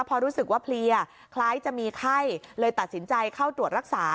พอรู้สึกว่าเพลียคล้ายจะมีไข้เลยตัดสินใจเข้าตรวจรักษา